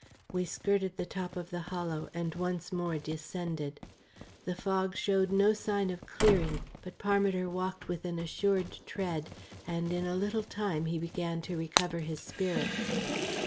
We skirted the top of the hollow, and once more descended. The fog showed no sign of clearing, but Parmiter walked with an assured tread, and in a little time he began to recover his spirits.